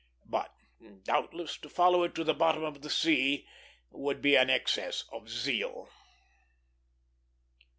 But, doubtless, to follow it to the bottom of the sea would be an excess of zeal.